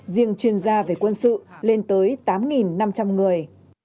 riêng chuyên gia về quân sự lên tới tám năm trăm linh người